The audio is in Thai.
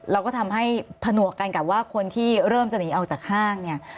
แล้วก็ทำให้ผนวกกันกับว่าคนที่เริ่มจะหนีออกจากห้างเนี่ย